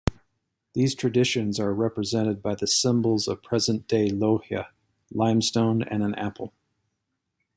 These traditions are represented by the symbols of present-day Lohja: limestone and an apple.